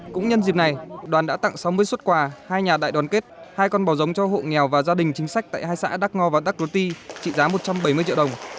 cũng nhân dịp này đoàn đã tặng sáu mươi xuất quà hai nhà đại đoàn kết hai con bò giống cho hộ nghèo và gia đình chính sách tại hai xã đắk ngo và đắk rô tý trị giá một trăm bảy mươi triệu đồng